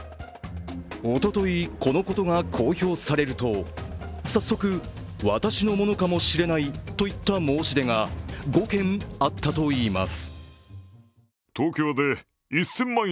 おととい、このことが公表されると早速、私のものかもしれないといった申し出が５件あったといいます。